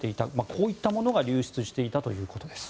こういったものが流出していたということです。